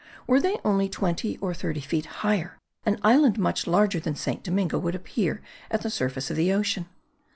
Were they only twenty or thirty feet higher, an island much larger than St. Domingo would appear at the surface of the ocean.